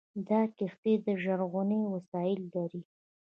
دا کښتۍ د ژغورنې وسایل لري.